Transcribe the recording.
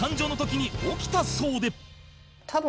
多分。